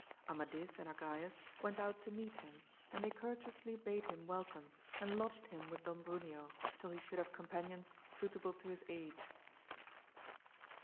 Amadis and Agrayes went out to meet him, and they courteously bade him welcome, and lodged him with Don Bruneo, till he should have companions suitable to his age.